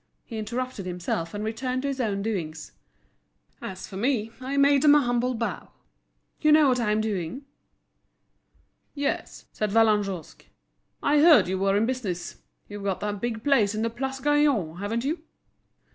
He interrupted himself, and returned to his own doings. "As for me, I made them a humble bow. You know what I'm doing?" "Yes," said Vallagnosc, "I heard you were in business. You've got that big place in the Place Gailion, haven't you?"